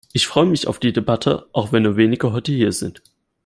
Ich freue mich auf die Debatte, auch wenn nur wenige heute hier sind.